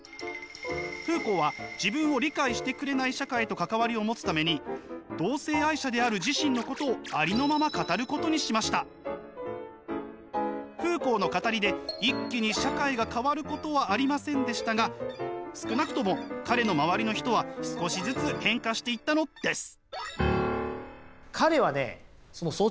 フーコーは自分を理解してくれない社会と関わりを持つために同性愛者である自身のことをフーコーの語りで一気に社会が変わることはありませんでしたが少なくとも彼の周りの人は少しずつ変化していったのです。